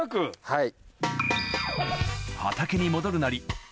はい。